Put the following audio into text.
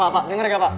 pak denger gak pak